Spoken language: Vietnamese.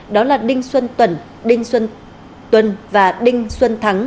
đó là đinh xuân tuần đinh xuân tuần và đinh xuân thắng